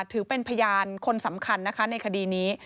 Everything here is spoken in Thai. ถือเป็นพยานคนสำคัญนะคะในคดีนี้